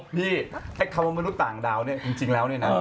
ไอ้คำว่ามนุษย์ต่างดาวเนี่ยจริงแล้วเนี่ยนะ